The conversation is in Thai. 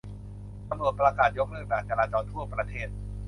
ตำรวจประกาศยกเลิกด่านจราจรทั่วประเทศ